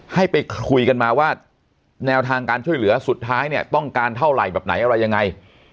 ให้ไปคุยกันมาว่าแนวทางการช่วยเหลือสุดท้ายเนี่ยต้องการเท่าไหร่แบบไหนอะไรยังไง